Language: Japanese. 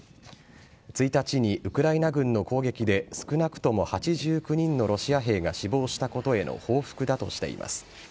１日にウクライナ軍の攻撃で、少なくとも８９人のロシア兵が死亡したことへの報復だとしています。